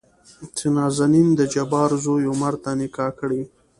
چې نازنين دجبار زوى عمر ته نکاح کړي.